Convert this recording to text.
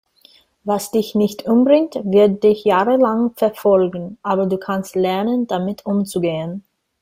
Was dich nicht umbringt, wird dich jahrelang verfolgen, aber du kannst lernen, damit umzugehen.